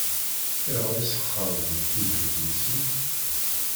Ayɣer i tesxeṛbem tibḥirt-nsent?